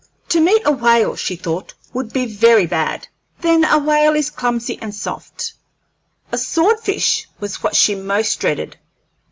To meet a whale, she thought, would be very bad, but then a whale is clumsy and soft; a sword fish was what she most dreaded.